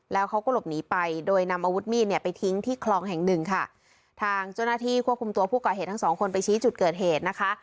แล้วเขาก็หลบหนีไปโดยนำอาวุธมีดเนี่ยไปทิ้งที่คลองแห่งหนึ่งค่ะทางเจ้าหน้าที่ควบคุมตัวผู้ก่อเหตุทั้งสองคนไปชี้จุดเกิดเหตุนะคะ